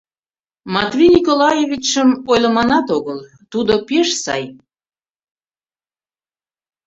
Матвей Николаевичшым ойлыманат огыл, тудо пеш сай.